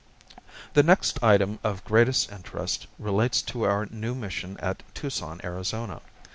The next item of greatest interest relates to our new mission at Tucson, Arizona.